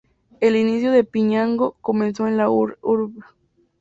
El inicio de Piñango comenzó en la Urb.